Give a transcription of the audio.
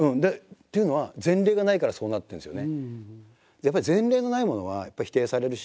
っていうのは前例がないからそうなってるんですよね。